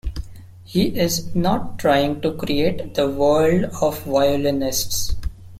He is not trying to create the world of violinists.